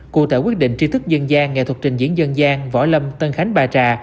cụ thể quyết định tri thức dân gian nghệ thuật trình diễn dân gian võ lâm tân khánh ba trà